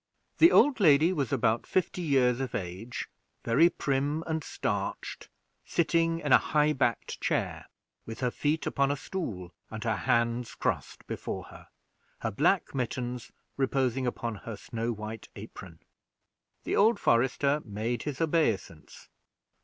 The old lady was about fifty years of age, very prim and starched, sitting in a high backed chair, with her feet upon a stool, and her hands crossed before her, her black mittens reposing upon her snow white apron. The old forester made his obeisance.